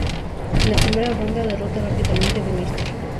En la primera ronda, derrota rápidamente de Mr.